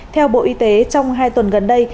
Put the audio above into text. theo bộ y tế trong hai tuần gần đây